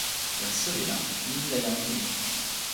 jan suli la, mi wile jan lili.